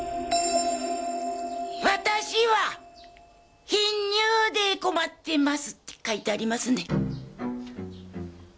「私は貧乳で困ってます」って書いてありますね。